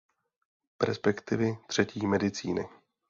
Perspektivy třetí medicíny.